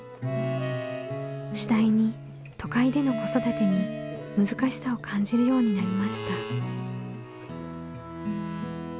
次第に都会での子育てに難しさを感じるようになりました。